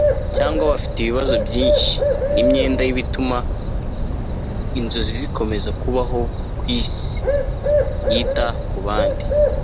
cyangwa bafite 'ibibazo byinshi' ni imyenda y'ibituma inzozi zikomeza kubaho ku isi yita ku bandi